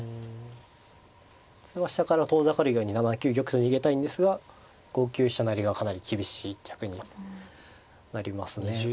普通は飛車から遠ざかるように７九玉と逃げたいんですが５九飛車成がかなり厳しい一着になりますね。